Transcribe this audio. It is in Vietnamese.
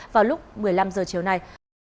vào lúc một mươi năm h chiều nay